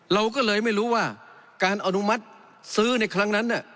เราก็เลยไม่รู้ว่าการอนุมัติซื้อในครั้งนั้น